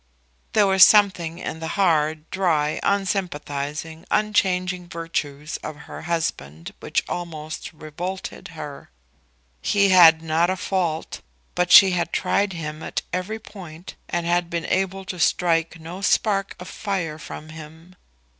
There was something in the hard, dry, unsympathising, unchanging virtues of her husband which almost revolted her. He had not a fault, but she had tried him at every point and had been able to strike no spark of fire from him.